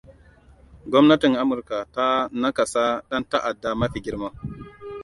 Gwamnatin Amurka ta nakasa dan ta'adda mafi girma.